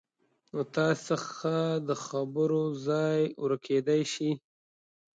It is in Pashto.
نو تاسې څخه د خبرو ځای ورکېدای شي